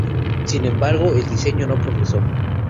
Sin embargo, el diseño no prosperó.